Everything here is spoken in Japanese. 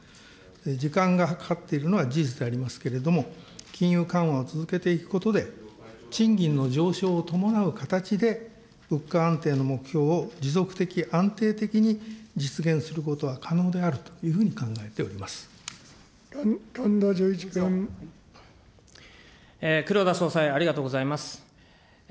時間がかかっているのは事実でありますけれども、金融緩和を続けていくことで、賃金の上昇を伴う形で、物価安定の目標を持続的、安定的に実現することは可能であるというふうに考えております。